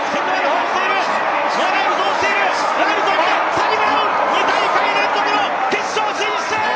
サニブラウン、２大会連続の決勝進出！